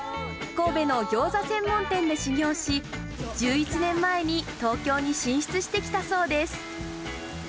神戸のギョーザ専門店で修業し、１１年前に東京に進出してきたそうです。